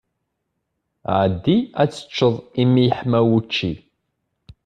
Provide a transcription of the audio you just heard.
Ɛeddi ad teččeḍ imi yeḥma wučči!